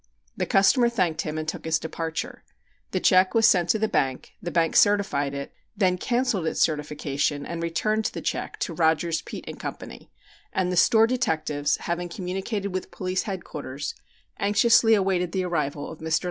The customer thanked him and took his departure. The check was sent to the bank, the bank certified it, then cancelled its certification and returned the check to Rogers, Peet & Company, and the store detectives, having communicated with Police Headquarters, anxiously awaited the arrival of Mr. Lang's messenger.